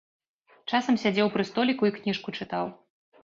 Часам сядзеў пры століку і кніжку чытаў.